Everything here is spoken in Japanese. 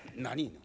何？